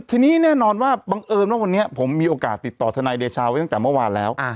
ทีนี้แน่นอนว่าบังเอิญว่าวันนี้ผมมีโอกาสติดต่อทนายเดชาไว้ตั้งแต่เมื่อวานแล้ว